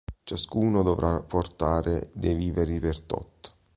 Ciascuno dovrà portare dei viveri per tot.